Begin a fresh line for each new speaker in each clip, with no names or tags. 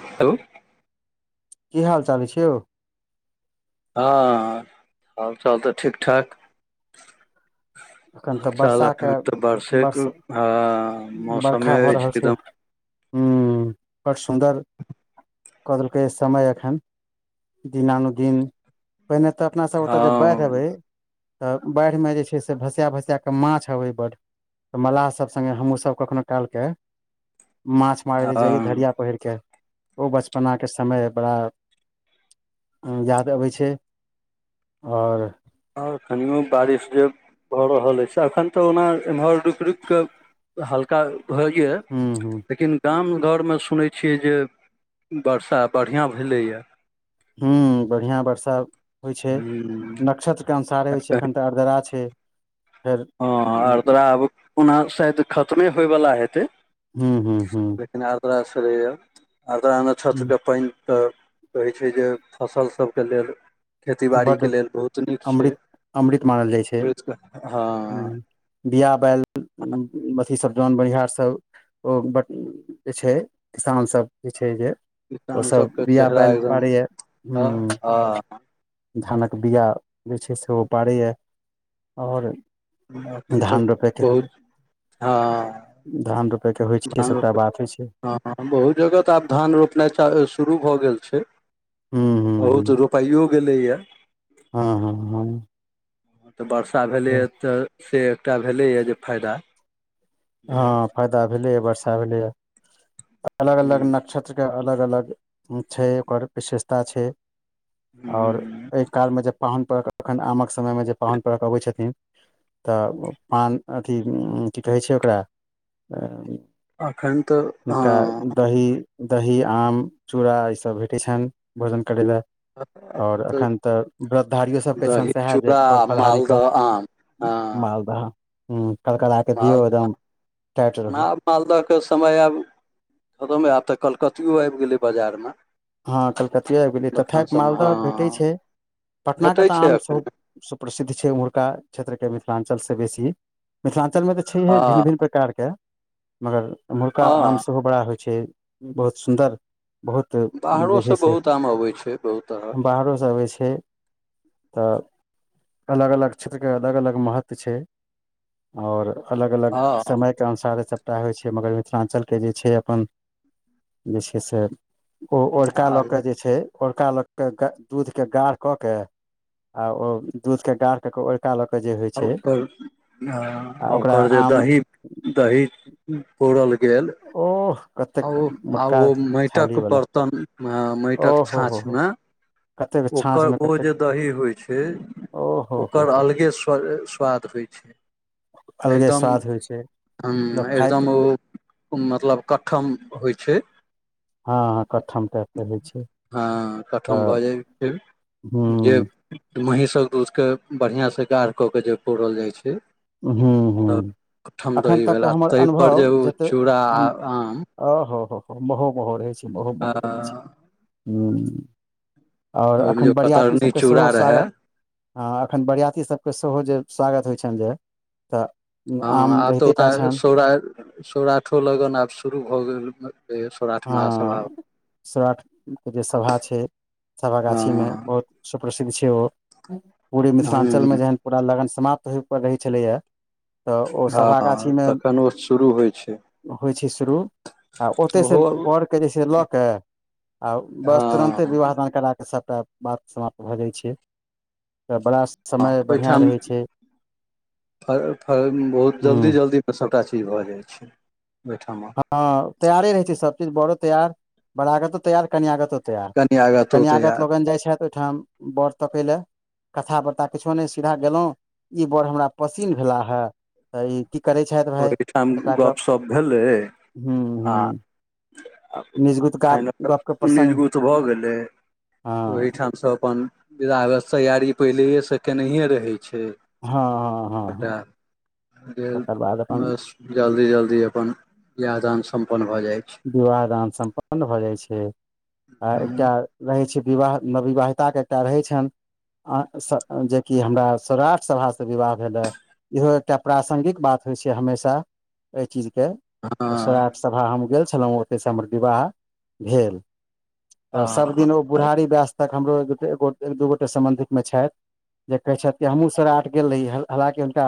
Hello
की हाल चाल छै यो
हँ हँ हालचाल तऽ ठीक ठाक
एखन तऽ
हालचाल
वर्षा के
एखन तऽ वर्षा के
बर्ष
मौसमे अछि एकदम
हूं बड सुन्दर कऽ देलकै समय एखन दिनानुदिन पहिने तऽ अपना सब ओतऽ जे बाढ़ि अबै
हँ
तऽ बाढ़िमे जे छै से भसिया भसिया क माछ ह बड मलाह सब सगे हमहुँ सब कखनो काल के माछ मारय ल जाइय
हँ
धड़िया पहिर कऽ ओ बचपना के समय बड़ा याद अबै छै आओर
आओर अखनियो बारिश जे भऽ रहल अछि से अखन तऽ ओना एम्हर रुकि रुकिकऽ हल्का हो ये
हूँ हूँ
लेकिन गाम घर मे सुन छियै जे वर्षा बढ़िआँ भेलैए
हुं बढ़िया वर्षा होइ छै
हूँ,
नक्षत्र के अनुसारे होइ छै एखन तऽ आर्द्रा छै फेर
हँ आरदरा आब ओना शायद खतमे होयवला हेतै
हूँ हूँ हूँ
लेकिन आर्द्रा छलैया आद्रामे नक्षत्र के पानिके तऽ कहैत छै जे फसल सभके लेल खेती
बड
बाड़ीके लेल बहुत नीक छै
अमृत
मृत हँ
बीया बैल अथी सब जन बनिहार सब ओ बड छै किसानसभ जे छै जे
किसान
ओसभ
सबके
बीआ
चेहरा
बैल
एकदम
पड़ैए हुं
हँ
हुं
हँ
धानक बीआ जे छै से ओ पाड़ैए आओर
एखन तऽ
धान रोपे के
बहुत हँ
धान रोपयके होइ छियै
धान
सभटा
रोप
बात होइ छै
हँ बहुत जगह तऽ आब धान रोपनाइ शुरू भऽ गेल छै
ह ह ह
बहुत तऽ रोपाइयो गेलैए
हँ हँ हँ
तऽ वर्षा भेलैए तऽ से एकटा भेलैए जे फायदा जे
हँ फायदा भेलैए वर्षा भेलैए अलग
हूँ
अलग नक्षत्र के अलग अलग छै ओकर विशेषता छै आओर
हूँ
एहि कालमे जब पाहुन परख एखन आमक समयमे जे पाहुन परख अबै छथिन तऽ पान अथि की कहै छै ओकरा
एखन तऽ
हुनका
हँ
दही दही आम चूड़ा ईसभ भेटै छनि भोजन करय लै आओर एखन तऽ व्रत धारिओ सभके
दही
छनि सएह जे
चूड़ा
फल फलहारीके
मालदह आम हँ
मालदह आम कड़कड़ा के दियऔ एकदम टाइट
न
रहू
[inaudible] मालदहके समय आब खतम आब तऽ कलकतियो आबि गेलै बाजारमे
हँ कलकतिय आबि गेलियै तऽ ठक मालदह
हँ
भेटै छै पटना के
भेटै
तऽ
छै
आम सेहो
एखन
सुप्रसिद्ध छै ओम्हुरका क्षेत्रके मिथिलांचलसँ बेसी मिथिलाञ्चलमे तऽ छैहे
हँ
भिन्न भिन्न प्रकारके मगर एम्हुरका आम
हँ
सेहो बड़ा होइ छै बहुत सुन्दर बहुत
बाहरो
जे छै से
बहुत आम अबै छै बहुत तरहक
बाहरोसँ अबै छै तऽ अलग अलग क्षेत्रके अलग अलग महत्व छै आओर अलग अलग
हँ
समय एक अनुसारे सबटा होइ छै मगर मिथिलाञ्चलके जे छै अपन जे छै से ओ ओरिका लऽ
आब
कऽ जे छै ओरका लऽके के दूध के गार क के आ ओ दूध के गाढ़ क के ओटि काललके जे होइ
आ
छै
ओकर
आ ओकरा
ओकर जे
आम
दही दही पौरल गेल
ओह कतेक
आ ओ आ
मोटका
ओ
छाली
माटिक
वाला
बरतन
ओ
माटिक
हो हो हो
छाँछमे
कतेक
ओकर
छाँछमे
ओ
कतेक
जे दही होइ छै
ओ हो हो
ओकर
हो
अलगे स्वाद होइ छै
अलगे
एकदम
स्वाद होइ छै
हूं
लोक खाइत
एकदम ओ मतलब कट्ठम होइ छै
हँ हँ कट्ठम टाइप कऽ होइ छै
हँ कट्ठम भऽ
तऽ
जाइ छै जे
हूँ
महींषक दूध के बढ़ियां से गाढ़ क के जे पौरल जाइ छै
हूँ
त
हूँ
ओठम
अखन
दही
तक
भेल आ
हमर
तहि पर जे ओ चूड़ा आ आम
ओ हँ ह ह महो मोहर होइ छै महो
आ
मोहर रहै छै हूँ आओर
ओहिमे
एखन
जे
बरियाती
कतरनी
सभके सेहो
चूड़ा रहै
स्वागत ह अखन बरियाती सब के सेहो जे स्वागत होय छनि जे तऽ
हँ
आम
आब तऽ
रहिते टा
ओना
छनि
सौरा सौराठो लगन आब शुरू भऽ गेल फेर
हँ सोराठ के जे सभा छै
हँ
सभागाछी मे बहुत सुप्रसिद्ध छै ओ पूे
हँ
मिथिलाञ्चलमे जहन पूरा लगन समाप्त होय रहै छलैया तऽ ओ सभा
हँ
गाछी मे
तखन ओ शुरू होइ छै
होइ छै शुरू आ ओतय से
ओहो
पढ़केऽ जे छै लऽ कऽ आ बस
हँ
तुरन्ते
हँ
विवाह दान करा कऽ सभटा बात समाप्त भऽ जाइ छै तऽ बड़ा
हँ
समय बढ़िआँ
ओहिठाम
रहै छै
फ फ बहुत
हूँ
जल्दी जल्दी सभटा चीज भऽ जाइ छै ओहिठाम
हँ तैयारे रहै छै सब चीज बड़ो तैयार बड़ाागतो तैयार कनियागत
कनि आगाँ
त
तोते
कनियागत
यार
लोगन जाइ छथि ओहिठाम वर तकय लए कथा पता किछो नहि सीधा गेलहुँ ई बर हमरा पसिन्न भेला हे तऽ ई की करैत छथि भाय? सभटा गप्प
तप भेले
हूं हूं
आ
गपके
फाइनल
प्रसङ्ग
निजगूत भ गेलै
हँ
ओहीठाम सँ अपन विधागत तैयारी पहिलेए सँ केनहिए रहै छै
हँ हँ हँ हँ
सभटा गेल
तकर बाद अपन
बस जल्दी जल्दी अपन बियाह दान सम्पन्न भऽ जाइत छै
विवाह दान सम्पन्न भऽ जाइ छै आ
हँ
एकटा रहैत छै विवाह नव विवाहिता के एकटा रहै छनि आ स जेकि हमरा सौराठ सभासँ विवाह भेलए इहो एकटा प्रासङ्गिक बात होइत छै हमेशा एहि चीजके सराठ
हँ
सभा हम गेल छलहुँ ओतहिसँ हमर विवाह भेल तऽ
ह
सभदिन ओ बुढ़ारी व्यास तक हमरो एक दू गोटे सम्बन्धित में छैथ जे कहे छथि हमहू सरा गेल रही हालकि हुनका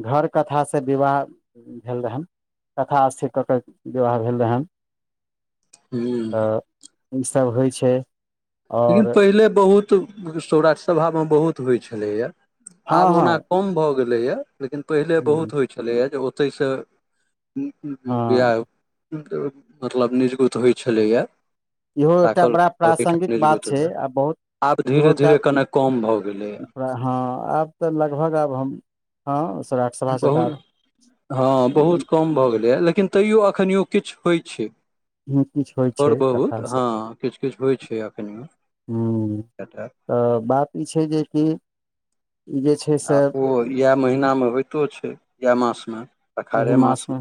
घर कथा से विवाह भेल रहन कथा स्थिर क क विवाह भेल रहेन त इ सब होय छैन
लेकिन पहिले बहुत सौराठ सभामे बहुत होइत छलैए
हँ
आब
हँ
ओना कम भऽ गेलैए लेकिन पहिले
हूँ
बहुत होइ छलैए जे ओतइ सँ
हँ
बिआाह मतलब निजगुत होइ छलैएा
इहो एकटा बड़ा प्रासंगिक बात छै आ बहुत
आब
इहो
धीरे
एकटा
धीरे कने कम भऽ गेले
हँ आब तऽ लगभग आब हम हँ सौराठ सभा से तऽ आब
बहुत हँ बहुत कम भऽ गेलैया लेकिन तैयो एखनिओ किछु होइ छै
किछु होइ
आओर
छै
बहुत
कथा सब
हँ किछु किछु होइत छै एखनियो कैटा
त बात ई छै जे कि ई
आ ओ इएह महीनामे होइतो छै इएह मासमे
एहि मासमे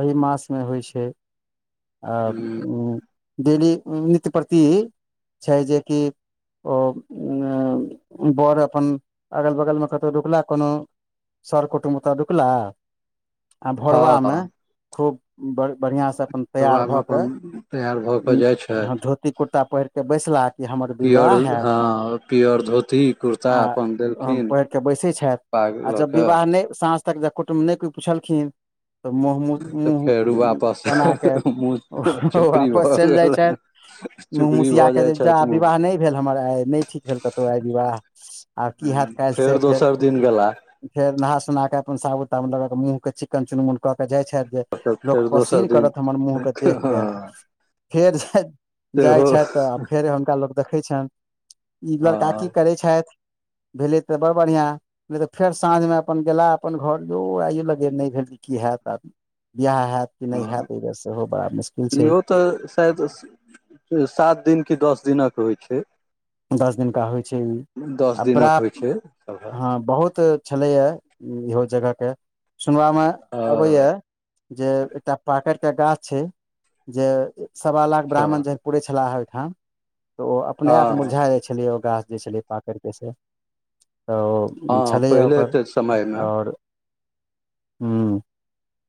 एहि मासमे होइ छै आ
हँ
डेली नित्य प्रति छै जे कि ओ बड़ अपन अगल बगलमे कतहु रुकला कोनो सर कुटुम्ब ओतऽ रुकला आ भोरबा
हँ
मे
तकर
खूब ब बढ़िआँ सँ अपन तैयर
बादमे
भऽ कऽ
अपन तैयार भऽ कऽ जाइ छथि
हं घो धोती कुर्ता पहिर क बैसलाह। जे हमर
पियर
विवाह हैत
हँ पियर धोती कुर्ता
आ
अपन
हम
देलखिन
पढ़िके बैसै छथि।
पाग
आ
लऽ
जब
कऽ
विवाह नहि साँझ तक ज कुटुम्ब नहि कोइ पुछलखिन तऽ मँँ
तऽ
मूँह
फेर वापस
बना कऽ
मुँह चुकरी
वापस
भऽ
चलि जाइत
गेलनि
छथि।
चुकरी
मुसिया
भऽ
के
जाइ
जे जा
छथि
विवाह नहि भेल हमर आइ नहि ठीक भेल कतहु आइ विवाह। आ की हैत
मुँह
काल्हि से फेर।
दोसर दिन गेला
फेर नहा सुोनाे अपन साबुन यमुन लगाके मुँह चिकन चुनमु कऽ के जाइ छथि जे
तब
लोक
फेर दोसर
पसीन
दिन
करत हमर मुँह के देख के।
हँ
फेर जाइ
सेहो
छथि आ फेर हुनका लोग देखै छनि ई लड़का
हँ
की करै छथि? भेले ते बड़ बढ़िया त फेर साँझ मे अपन गेला अपन घर यो ओ लगे नहि भेल की हयत आ बियाह होत कि नहि हयत एहि बेर सेहो बड़ा मुश्किल छैय।
इहो शायद सात दिन की दस दिनक होइ छैय।
दस दिनका होइ छैय
दस
आ बड़ा
दिनक होइ छै सभा
हँ। बहुत छलैया इहो जगहके सुनबामे अबैया जे एकटा पाकड़ के गाछ छैय जे सवा लाख
अच्छा
ब्राह्मण जे पुरे छलाह ओहिठाम तऽ ओ अपनेआप
हँ
छलियै ओ गाछ जे छलै पाकड़ के से तऽ ओ
हँ
छलैया
पहिले
ओकर
के समय मे
आओर हू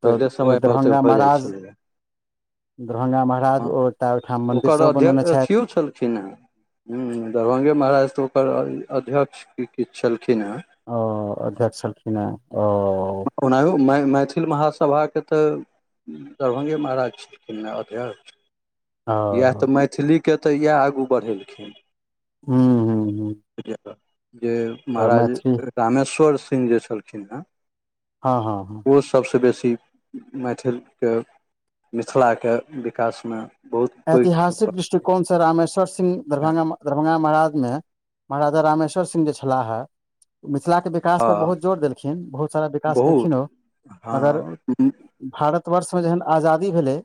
तब
पहिले
ओ
समय मे ओते
दरभंगा
भऽ जाइ
महाराज
छलैया
दरभंगा म
हँ
ओटा ओहिठाम मंदिर सेहो बनौने छथि।
खिन हँ हँ दरभंगे महाराज तऽ ओकर अध्यक्ष किछु छलखिन हँ।
ओ अध्यक्ष छलखिन ह ओ।
ओनाहियो मैथिल महासभा के तऽ दरभंगे महाराज छलखिन अध्यक्ष।
ओ
यैह तऽ मैथिलीके तऽ यैह आगू बढ़ेलखिन।
हूँ हूँ हूँ
जे
तऽ
महाराज
मैथिली
कामेश्वर सिंह जे छलखिन हेँ।
हँ हँ हँ
ओ सबसँ बेसी मैथिलके मिथिलाके विकासमे बहुत पैघ
ऐतिहासिक दृष्टिकोण से रामेश्वर सिंह दरभं
छनि
दरभंगा महाराज मे महाराजा रामेश्वर सिंह जे छला हा मिथिला के व्त विकास पर
हँ
बहुत जोर देलखिन बहुत सारा विकास केलखिन
बहुत
ओ मगर
हँ ओ
भारतवर्षमे जहन आजादी भेलै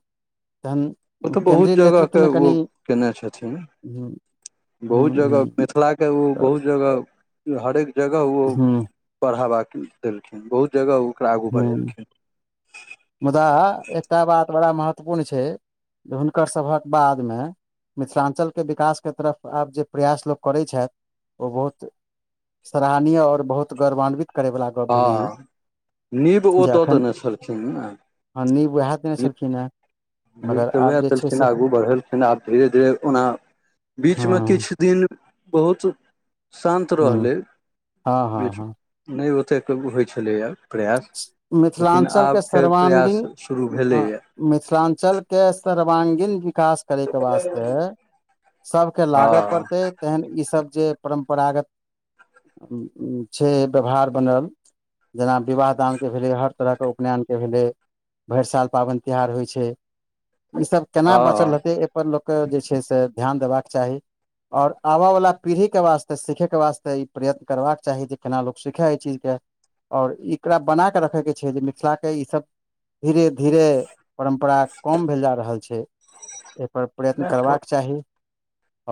तहन
ओ तऽ बहुत जगह के ओ केने छथिन।
हुँ हुँ
बहुत जगह
हुँ
मिथिला के ओ
तऽ
बहुत जगह हरेक जगह ओ
हुँ
बढ़ावा देलखिन बहुत जगह ओकरा आगू
हुँ
बढ़ेलखिन।
मुदा एकटा बात बड़ा महत्वपूर्ण छैय। जे हुनकर सभक बादमे मिथिलांचल के विकासके तरफ आब जे प्रयास लोक करैत छथि ओ बहुत सराहनीय और बहुत गौरवान्वित करै वाला गप्प भेलै ई।
हँ नीब ओ द देने छड़थिन ने।
ह निब ओहे देने छलखीन ह।
तऽ वहै देलखिन आगू बढ़ेलखिन आब धीरे धीरे ओना बीच
हँ
मे किछु दिन बहुत शान्त
हुँ
रहलै।
हँ हँ हँ
नहि ओतेक होइत छलैया। प्रयास लेकिन
मिथिलाञ्चलके
आब फेर प्रयास शुरू भेलैया।
मिथिलांचलके सर्वांगीण विकास करय के वास्ते सबके लागऽ
हँ
पड़ते तेहन ई सब जे परम्परागत छैय व्यवहार बनल जेना विबाद दानके भेलै हर तरहके उपनयनके भेलै भरि साल पाबनि तिहार होइ छै ईसभ केना बचल
हँ
रहतै एहिपर लोकके जे छै से ध्यान देबाक चाही आओर आबयवला पीढ़ीके वास्ते सीखयके वास्ते ई प्रयतन करबाक चाही जे केना लोक सीखय एहि चीजके आओर एकरा बना कऽ रखयके छै जे मिथिलाके ईसभ धीरे धीरे परम्परा कम भेल जा रहल छै एहिपर प्रयत्न करबाक चाही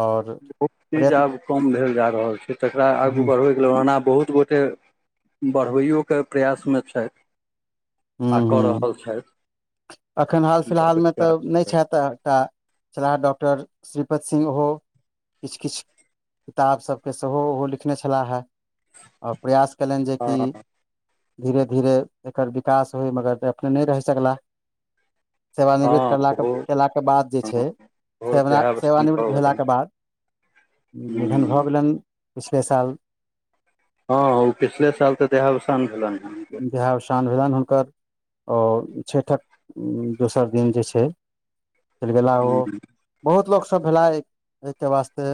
आओर
बहुत चीज
प्रयत्न
आब कम भेल जा रहल छै तकरा आगू
हूँ
बढ़ै हलो ओना बहुत गोटे बढ़बैयो के प्रयास मे छै
हूँ
आ कऽ
हूँ
रहल छैथ
एखन हाल फिलहालमे तऽ नहि छथि एकटा छलाह डॉक्टर श्रीपद सिंह हो किछु किछु किताब सभके सेहो ओहो लिखने छलैहै आओर प्रयास कयलनि जेकि
हँ
धीरे धीरे एकर विकास होइ मगर अपने नहि रहि सकला सेवानिवृत
हँ
करलाके
ओहो
केलाके बाद जे छै
ओहो
सेवा
देहावसान भऽ
सेवानिवृत भेलाके
गेलनि
बाद निधन भऽ
हूँ
गेलन पिछले साल
हँ ओ पिछले साल तऽ देहावसान भेलन
देहाव सान भेलनि हुनकर ओ छठिक दोसर दिन जे छै चलि गेला ओ
हूँ
बहुत लोकसभ भेला एहि एहिके वास्ते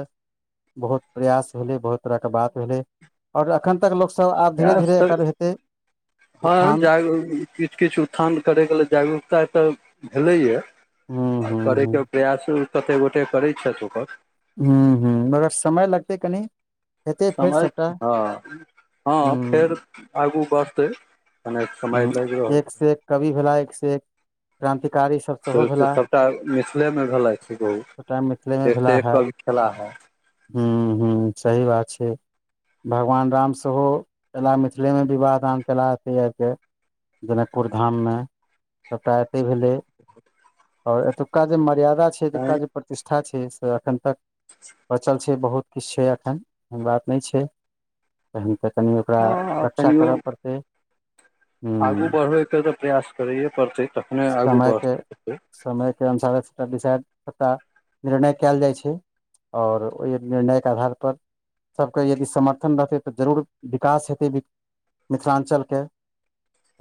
बहुत प्रयास भेलै बहुत तरहके बात भेलै आओर एखन तक लोकसब आब धीरे
प्रयास
धीरे
तऽ
एकर हेतै
हँ
उत्थान
जागरु किछु किछु उत्थान करयके लेल जागरूकता तऽ भेलैयए
हूँ
आ
हूँ हूँ
करयके प्रयासो कते गोटे करै छथि ओकर
हुं हुं मगर समय लगतै कनी
समय हँ हँ
हूँ
फेर आगू बढ़तै कने समय लागि
हुं
रहल
एक से एक कवि भेला एक से एक क्रांतिकारी सब सेहो
पहिले
भेला
सबटा मिथिलेमे भेलैथ बहुत
सबटा मिथिले
एकसँ एक से एक खेला है
हूं हूं सही बात छै भगवान राम सेहो एला मिथिले मे विवाह दान केला जनकपुर धाम मे सभटा एतै भेलै आओर एतुका जे मर्यादा छै
तैँ
एतुका जे प्रतिष्ठा छै से एखन तक बचल छै बहुत किछु छै एखन एहन बात नहि छै कहि तऽ कहि ओकरा
हँ
रक्षा
कनियो
करय पड़तै हूँ
आगू बढ़बे के तऽ प्रयास करैये पड़तै तखने आगू
समयके
बढ़तै
समयके अनुसार डिसाइड सभटा निर्णय कैल जाइत छै आओर ओहि निर्णयके आधारपर सब कहै यदि समर्थन रहतै तऽ जरूर विकास हेतै मिथिलांचल के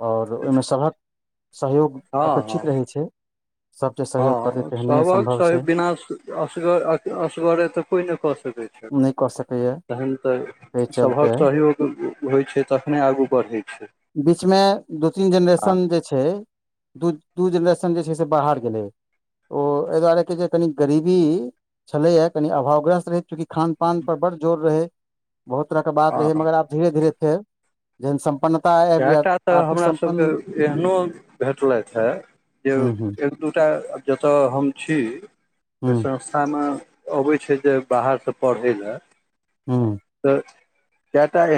आओर ओहिमे सभक सहयोग
हँ हँ
अपेक्षित रहै छै सब जे सहयोग करतै
हँ
तेहनिये
सबक
सम्भव छै
बिना असगर असगरे तऽ कोइ नहि कऽ सकैत छै
नहि कह
तहन तऽ सभक सहयोग होइ छै तखने आगू बढ़ैत छै
बीचमे दू तीन
आ
जेनरेशन जे छै दू दू जेनरेशन जे छै से बाहर गेलै ओ एहि दुआरे के जे कनी गरीबी छलया कनी अभावग्रस्त रहित चूँकि खान पान पर बड़ जोर रहै बहुत तरह के बात रहै
हँ
मगर आब धीरे धीरे फेर जहन सम्पन्
कए टा तऽ हमरा सबके एहनो भेटलै हँ जे
हूँ हूँ
दूटा जतय हम छी ओइ
हूँ
संस पटना मे अबै छै जे बाहरसँ पढ़ै लए
हूँ
तऽ कए टा एह